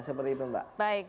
seperti itu mbak